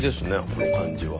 この感じは。